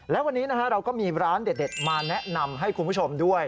และวันนี้เราก็มีร้านเด็ดมาแนะนำให้คุณผู้ชมด้วย